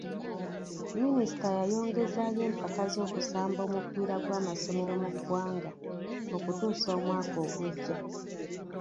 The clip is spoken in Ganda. Minisita yayongezaayo empaka z'okusamba omupiira gw'amasomero mu ggwanga okutuusa omwaka ogujja .